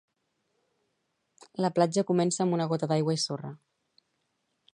La platja comença amb una gota d'aigua i sorra